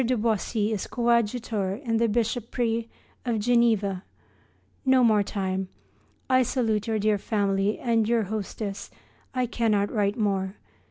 de Boisy is coadjutor in the bishopric of Geneva. No more time. I salute your dear family and your hostess. I cannot write more.